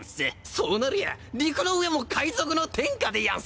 そうなりゃ陸の上も海賊の天下でやんす。